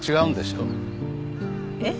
えっ？